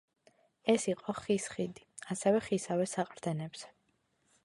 ეს იყო ხის ხიდი, ასევე ხისავე საყრდენებზე.